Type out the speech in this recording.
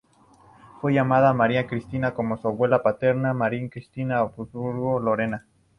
Fue llamada María Cristina, como su abuela paterna, María Cristina de Habsburgo-Lorena.